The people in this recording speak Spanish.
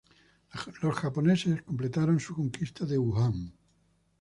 Los japoneses completaron su conquista de Wuhan.